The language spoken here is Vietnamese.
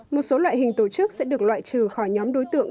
một số loại hình tổ chức sẽ được loại trừ khỏi nhóm đối tượng